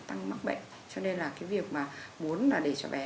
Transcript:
tăng mắc bệnh cho nên là cái việc mà muốn là để cho bé